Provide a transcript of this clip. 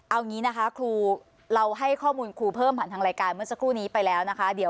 เอาอย่างนี้นะคะครูเราให้ข้อมูลครูเพิ่มผ่านทางรายการเมื่อสักครู่นี้ไปแล้วนะคะ